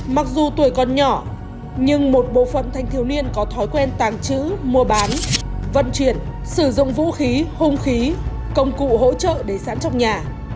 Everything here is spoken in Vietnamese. mặc dù tuổi còn nhỏ nhưng một bộ phận thanh thiếu niên có thói quen tàng trữ mua bán vận chuyển sử dụng vũ khí hung khí công cụ hỗ trợ để sẵn trong nhà